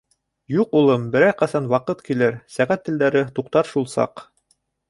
— Юҡ, улым, берәй ҡасан ваҡыт килер, сәғәт телдәре туҡтар шул саҡ.